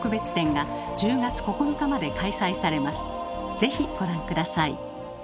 是非ご覧下さい。